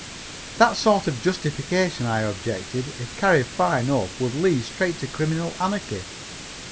"That sort of justification," I objected, "if carried far enough, would lead straight to criminal anarchy.